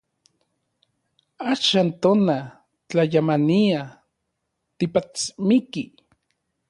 Axan tona, tlayamania, tipatsmikij.